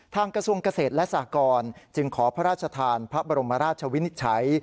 กระทรวงเกษตรและสากรจึงขอพระราชทานพระบรมราชวินิจฉัย